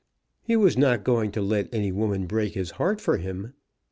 He was not going to let any woman break his heart for him!